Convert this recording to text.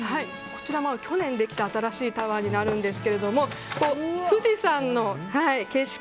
こちら、去年できた新しいタワーになるんですが富士山の景色